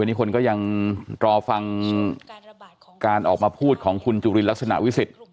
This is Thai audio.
วันนี้คนก็ยังรอฟังการออกมาพูดของคุณจุลินลักษณะวิสิทธิ์